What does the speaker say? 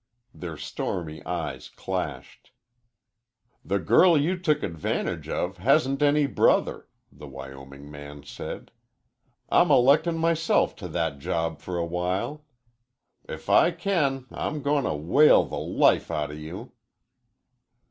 Their stormy eyes clashed. "The girl you took advantage of hasn't any brother," the Wyoming man said. "I'm electin' myself to that job for a while. If I can I'm goin' to whale the life outa you."